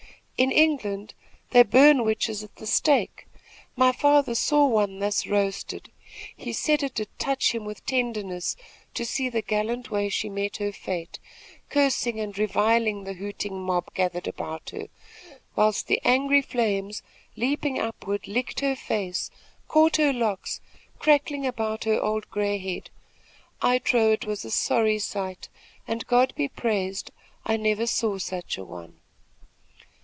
"In England they burn witches at the stake. My father saw one thus roasted. He said it did touch him with tenderness to see the gallant way she met her fate cursing and reviling the hooting mob gathered about her, whilst the angry flames, leaping upward, licked her face, caught her locks, crackling about her old gray head. I trow it was a sorry sight, and God be praised, I never saw such a one!"